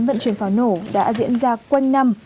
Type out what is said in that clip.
vận chuyển pháo nổ đã diễn ra quanh năm